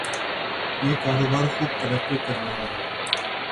یہ کاروبار خوب ترقی کر رہا ہے۔